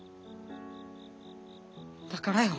だからよ。